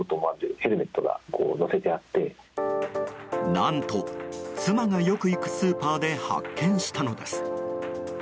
何と、妻がよく行くスーパーで発見したのです。